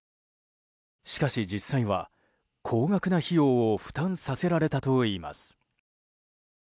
しかし実際は高額な費用を負担させられたといいます。